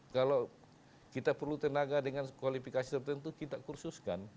kalau kita perlu tenaga dengan kualifikasi tertentu kita kursuskan